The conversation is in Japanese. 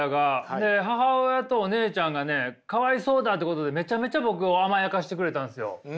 で母親とお姉ちゃんがねかわいそうだってことでめちゃめちゃ僕を甘やかしてくれたんですよ。